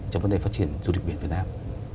trong vấn đề phát triển du lịch biển việt nam